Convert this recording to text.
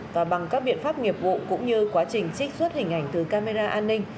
và bằng các biện pháp nghiệp vụ cũng như quá trình trích xuất hình ảnh từ camera an ninh